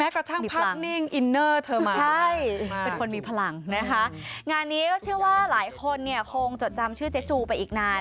กระทั่งภาพนิ่งอินเนอร์เธอมาใช่เป็นคนมีพลังนะคะงานนี้ก็เชื่อว่าหลายคนเนี่ยคงจดจำชื่อเจ๊จูไปอีกนาน